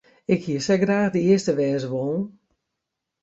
Ik hie sa graach de earste wêze wollen.